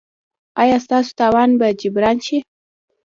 ایا ستاسو تاوان به جبران شي؟